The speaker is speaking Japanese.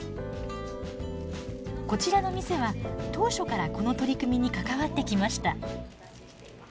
こちらの店は当初からこの取り組みに関わってきました。